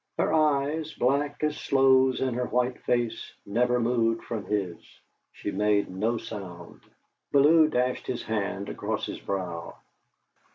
Her eyes, black as sloes in her white face, never moved from his; she made no sound. Bellew dashed his hand across his brow.